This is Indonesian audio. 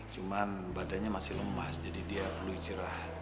cuma badannya masih lemas jadi dia perlu cerah